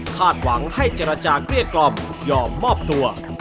หวังให้เจรจาเกลี้ยกล่อมยอมมอบตัว